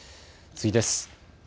次です。